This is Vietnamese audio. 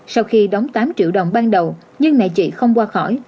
sau khi đóng tám triệu đồng ban đầu nhưng mẹ chị không qua khỏi